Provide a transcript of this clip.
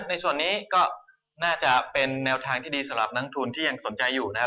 ในส่วนนี้ก็น่าจะเป็นแนวทางที่ดีสำหรับนักทุนที่ยังสนใจอยู่นะครับ